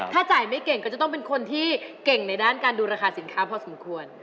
ถ้าจ่ายไม่เก่งก็จะต้องเป็นคนที่เก่งในด้านการดูราคาสินค้าพอสมควร